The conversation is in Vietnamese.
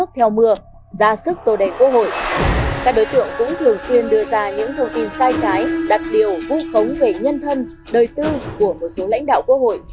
cũng thường xuyên đưa ra những thông tin sai trái đặc điều vụ khống về nhân thân đời tư của một số lãnh đạo quốc hội